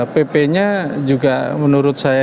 pp nya juga menurut saya